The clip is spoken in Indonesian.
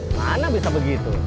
mana bisa begitu